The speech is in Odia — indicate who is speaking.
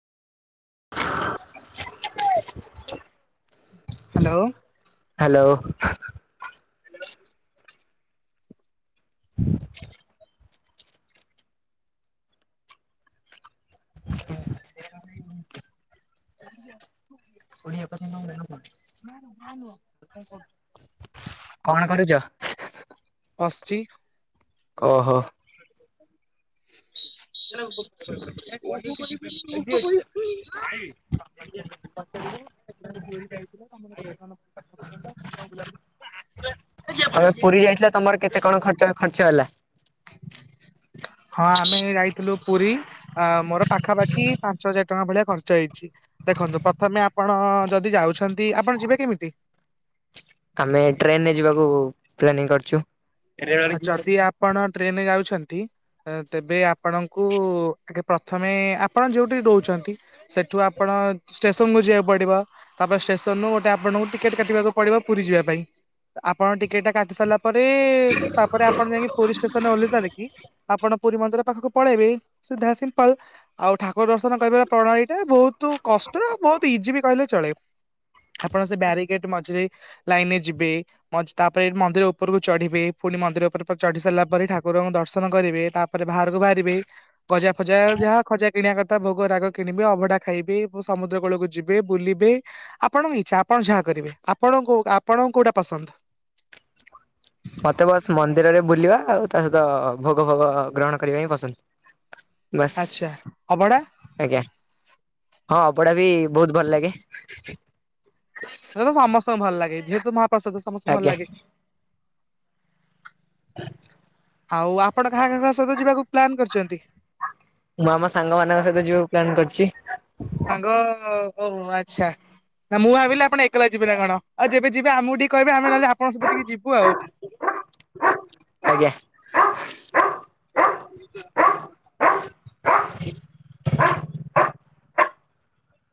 Speaker 1: [inaudible]
Speaker 2: ହାଲୋ।
Speaker 1: ହାଲୋ। [inaudible] [inaudible] କଣ କରୁଛ?
Speaker 2: [inaudible] ବସିଚି।
Speaker 1: ଓ ହ। [inaudible]
Speaker 2: [inaudible]
Speaker 1: ତମେ ପୁରୀ ଯାଇଥିଲ ତମର କେତେ କଣ ଖର୍ଚ୍ଚ- ଖର୍ଚ୍ଚ ହେଲା?
Speaker 2: ହଁ ଆମେ ଯାଇଥିଲୁ ପୁରୀ ଆ ମୋର ପାଖାପାଖି ପାଞ୍ଚ ହଜାର ଟଙ୍କା ଭଳିଆ ଖର୍ଚ୍ଚ ହେଇଚି। ଦେଖନ୍ତୁ ପ୍ରଥମେ ଆପଣ ଯଦି ଯାଉଛନ୍ତି ଆପଣ ଯିବେ କେମିତି?
Speaker 1: ଆମେ ଟ୍ରେନରେ ଯିବାକୁ ପ୍ଲାନିଂ କରିଚୁ।
Speaker 2: ଆଉ ଯଦି ଆପଣ ଟ୍ରେନରେ ଯାଉଛନ୍ତି ଅଁ ତେବେ ଆପଣଙ୍କୁ ପ୍ରଥମେ ଆପଣ ଯୋଉଠି ରୋହୁଉଛନ୍ତି ସେଠୁ ଆପଣ ଷ୍ଟେସନକୁୁ ଯିବାକୁ ପଡ଼ିବ। ତାପରେ ଷ୍ଟେସନ୍ ରୁ ଗୋଟେ ଆପଣଙ୍କୁ ଟିକେଟେ କାଟିବାକୁ ପଡ଼ିବ ପୁରୀ ଯିବା ପାଇଁ ଆପଣଙ୍କ ଟିକେଟ୍ ଟା କାଟି ସାରିଲା ପରେ ତାପରେ ଆପଣ ଯାଇକି ପୁରୀ ଷ୍ଟେସନ୍ ଓଲେଇ ସାରିକି ଆପଣ ପୁରୀ ମନ୍ଦିର ପାଖକୁ ପଳେଇବି ସିଧା ସିମ୍ପଲ୍ ଆଉ ଠାକୁର ଦର୍ଶନ କରିବାର ପ୍ରଣାଳୀ ଏଇଟା ବହୁତ୍ କଷ୍ଟ ବହୁତ୍ ଇଜିବି କହିଲେ ଚଳେ। ଆପଣ ସେ ବ୍ୟାରିଗେଟ୍ ମଝିରେ ଲାଇନିରେ ଯିବେ ମଝି ତାପରେ ଏ ମନ୍ଦିର ଉପରକୁ ଚଢ଼ିବେ ପୁଣି ମନ୍ଦିର ଉପରେ ପଟେ ଚଢିସାରିଲା ପରେ ଠାକୁରଙ୍କୁ ଦର୍ଶନ କରିବେ ତାପରେ ବାହାରକୁ ବାହାରିବେ ଗଜା ଫଜା ଯାହା ଖଜା କିଣିବା କଥା ଭୋଗ ରାଗ କିଣିବେ ଅଭଢା ଖାଇବି ସମୁଦ୍ର କୂଳକୁ ଯିବେ ବୁଲିବେ ଆପଣଙ୍କ ଇଛା ଆପଣ ଯାହା କରିବେ ଆପଣଙ୍କୁ ଆପଣଙ୍କୁ କୋଉଟା ପସନ୍ଦ? [inaudible]
Speaker 1: ମତେ ବାସ୍ ମନ୍ଦିରରେ ବୁଲିବା ଆଉ ତାସହିତ ଭୋଗ ଭୋଗ ଗ୍ରହଣ କରିବା ହିଁ ପସନ୍ଦ। ବାସ୍
Speaker 2: ଆଚ୍ଛା ଅବଢ଼ା?
Speaker 1: ଆଜ୍ଞା ହଁ ଅବଢ଼ା ବି ବହୁତ୍ ଭଲ ଲାଗେ।
Speaker 2: ସେଟାତ ସମସ୍ତଙ୍କୁ ଭଲ ଲାଗେ ଯେହେତୁ ମହାପ୍ରସାଦ ସମସ୍ତଙ୍କୁ ଭଲ
Speaker 1: ଆଜ୍ଞା।
Speaker 2: ଲାଗେ। ଆଉ ଆପଣ କାହା କାହା କାହା ସହିତ ଯିବାକୁ ପ୍ଲାନ୍ କରିଚନ୍ତି?
Speaker 1: ମୁଁ ଆମ ସାଙ୍ଗ ମାନଙ୍କ ସହିତ ଯିବାକୁ ପ୍ଲାନ୍ କରିଚି।
Speaker 2: ଓ ହଉ ଆଛା। ନା ମୁଁ ଭାବିଲି ଆପଣ ଏକେଲା ଯିବେନା କଣ ଆଉ ଯେବେ ଯିବ ଆମକୁ ଟିକେ କହିବେ ଆମେ ନେହେଲେ ଆପଙ୍କ ସହିତ ଟିକେ ଯିବୁ ଆଉ?
Speaker 1: ଆଜ୍ଞା।